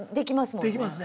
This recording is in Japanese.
できますね。